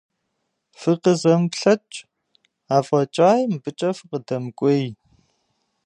ФыкъызэмыплъэкӀ, афӀэкӀаи мыбыкӀэ фыкъыдэмыкӀуей.